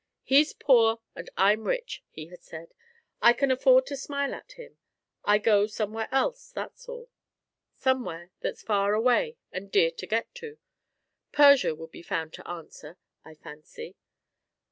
"He's poor, and I'm rich," he had said. "I can afford to smile at him. I go somewhere else, that's all somewhere that's far away and dear to get to. Persia would be found to answer, I fancy.